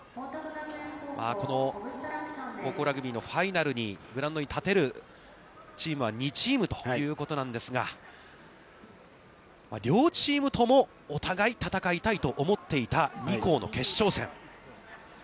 この高校ラグビーのファイナルにグラウンドに立てるチームは２チームということなんですが、両チームとも、お互い戦いたいと思っていた２校の決勝戦。